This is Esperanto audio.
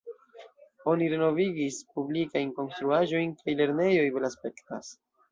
Oni renovigis publikajn konstruaĵojn kaj lernejoj belaspektas.